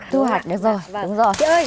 thu hoạch được rồi